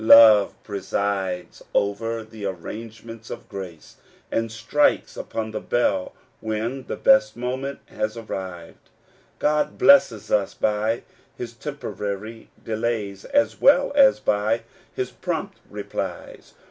Love presides over the arrangements of grace, and strikes upon the bell when the best moment has arrived. God blesses us by his temporary delays, as well as by his prompt replies.